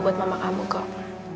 buat mama kamu kok